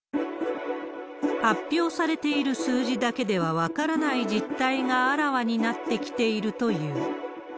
発表されている数字だけでは分からない実態があらわになってきているという。